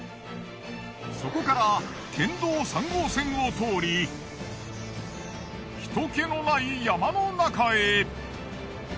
そこから県道３号線を通りひと気のない山の中へ。